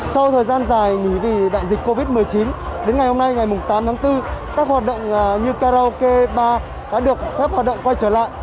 sau thời gian dài nghỉ vì đại dịch covid một mươi chín đến ngày hôm nay ngày tám tháng bốn các hoạt động như karaoke ba đã được phép hoạt động quay trở lại